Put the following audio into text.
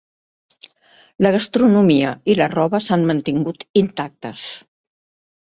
La gastronomia i la roba s'han mantingut intactes.